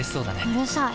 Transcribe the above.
うるさい。